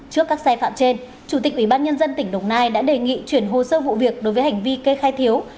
trước các sai phạm trên chủ tịch ubnd tỉnh đồng nai đã đề nghị chuyển hồ sơ vụ việc đối với hành vi kê khai thiếu